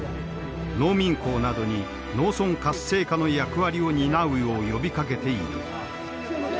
農民工などに農村活性化の役割を担うよう呼びかけている。